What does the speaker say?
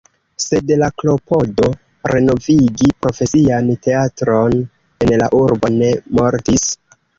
Sed la klopodo renovigi profesian teatron en la urbo ne mortis.